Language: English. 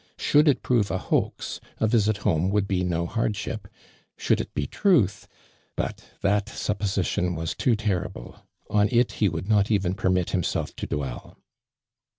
Should it prove a hoax, a visit home >vould be no hardship, should it be truth — but that supposition was too terrible, on it he would not even permit himself to dwell.